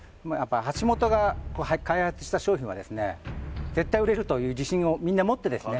橋本が開発した商品はですね絶対売れるという自信をみんな持ってですね